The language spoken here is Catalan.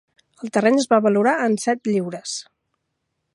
El terreny es va valorar en set lliures.